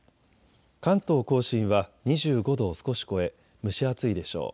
関東甲信は２５度を少し超え蒸し暑いでしょう。